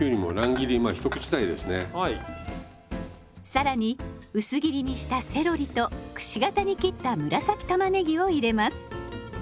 更に薄切りにしたセロリとくし形に切った紫たまねぎを入れます。